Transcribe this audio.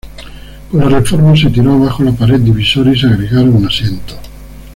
Con la reforma se tiró abajo la pared divisoria y se agregaron asientos.